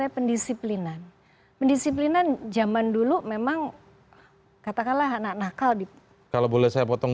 pendisiplinan pendisiplinan zaman dulu memang katakanlah anak nakal di kalau boleh saya potong